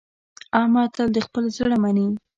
احمد تل د خپل زړه مني.